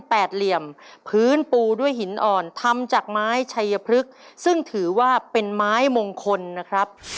เหลี่ยมพื้นปูด้วยหินอ่อนทำจากไม้ชัยพฤกษ์ซึ่งถือว่าเป็นไม้มงคลนะครับ